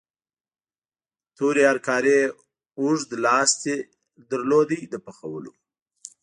تورې هرکارې اوږد لاستی لاره د پخولو.